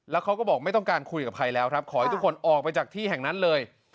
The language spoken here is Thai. แล้วเขาก็บอกไม่ต้องการคุยกับใครแล้วครับขอให้ทุกคนออกไปจากที่แห่งนั้นเลย